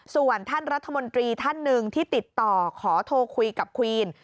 ส่วนท่านรัฐมนตรีท่านหนึ่งที่ติดต่อขอโทรคุยกับควีน